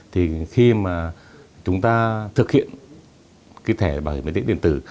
thì khi chúng ta thực hiện thẻ bảo hiểm y tế điện tử